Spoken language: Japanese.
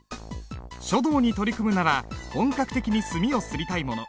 書道に取り組むなら本格的に墨を磨りたいもの。